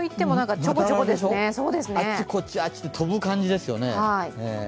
あちこち飛ぶ感じですよね。